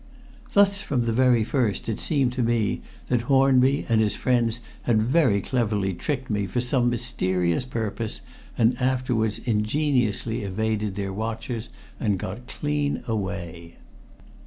Thus, from the very first, it seemed to me that Hornby and his friends had very cleverly tricked me for some mysterious purpose, and afterwards ingeniously evaded their watchers and got clean away.